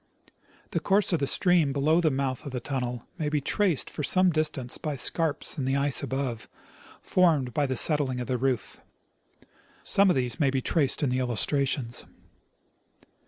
The course of the stream below the mouth of the tunnel may be traced for some distance by scarps in the ice above, formed by the settling of the roof. Some of these may be traced in the illustrations.